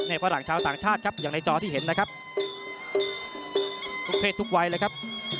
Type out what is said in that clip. ฝรั่งชาวต่างชาติครับอย่างในจอที่เห็นนะครับทุกเพศทุกวัยเลยครับ